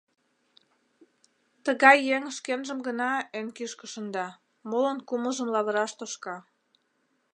Тыгай еҥ шкенжым гына эн кӱшкӧ шында, молын кумылжым лавыраш тошка.